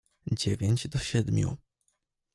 "Dziewięć do siedmiu."